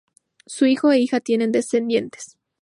Su hijo e hija tienen descendientes.